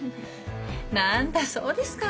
何だそうですか。